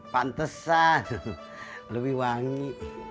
pantesan lebih wangi